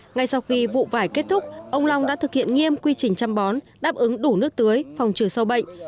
ngay sau khi vụ vải kết thúc ông long đã thực hiện nghiêm quy trình chăm bón đáp ứng đủ nước tưới phòng trừ sâu bệnh